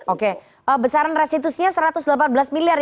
oke besaran restitusinya satu ratus delapan belas miliar ya mbak melisa ya